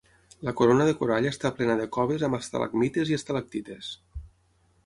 La corona de corall està plena de coves amb estalagmites i estalactites.